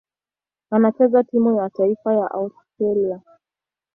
Anachezea timu ya taifa ya Australia.